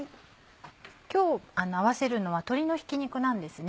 今日合わせるのは鶏のひき肉なんですね。